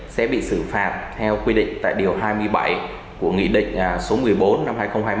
sẽ bị xử phạt theo quy định tại điều hai mươi bảy của nghị định số một mươi bốn năm hai nghìn hai mươi